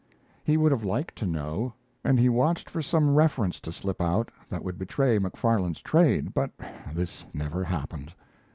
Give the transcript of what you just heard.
He would have liked to know, and he watched for some reference to slip out that would betray Macfarlane's trade; but this never happened.